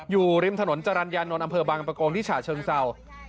อยู่ริมถนนจรรยานนท์อำเภอบางประกงที่ฉะเชิงเศร้า